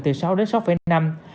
từ sáu đến sáu năm